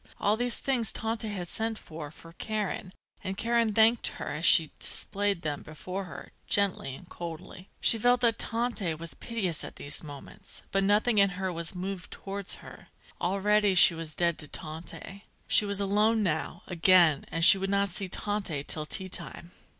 All these things Tante had sent for for Karen, and Karen thanked her, as she displayed them before her, gently and coldly. She felt that Tante was piteous at these moments, but nothing in her was moved towards her. Already she was dead to Tante. She was alone now, again, and she would not see Tante till tea time.